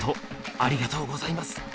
ありがとうございます！